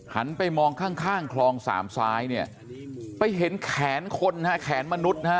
หันไปมองข้างคลองสามซ้ายเนี่ยไปเห็นแขนคนฮะแขนมนุษย์นะฮะ